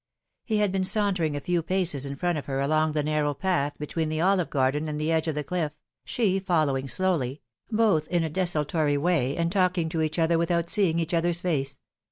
He had been sauntering a few paces in front of her along the narrow path between the olive garden and the edge of the cliff, she following slowly both in a desultory way, and talking to each other without seeing each other's face.